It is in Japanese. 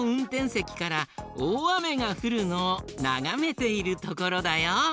せきからおおあめがふるのをながめているところだよ。